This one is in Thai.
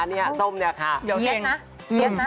เนี่ยส้มเนี่ยค่ะเย็ดนะ